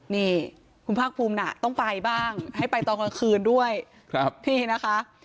นี่คุณภาคภูมิน่ะต้องไปบ้างให้ไปตอนกลางคืนด้วยนี่นะคะ